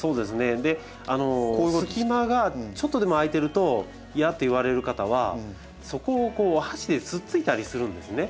で隙間がちょっとでも空いてると嫌っていわれる方はそこを箸でつっついたりするんですね。